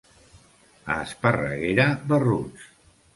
A Esparreguera, barruts.